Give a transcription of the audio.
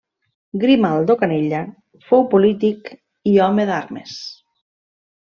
Grimaldo Canella fou polític i home d'armes.